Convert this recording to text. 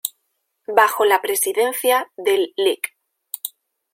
Bajo la Presidencia del Lic.